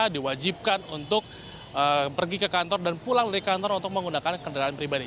diwajibkan untuk pergi ke kantor dan pulang dari kantor untuk menggunakan kendaraan pribadi